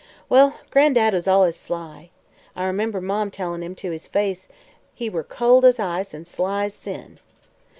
"Well, Gran'dad was allus sly. I 'member Marm tellin' him to his face he were cold as ice an' sly as sin.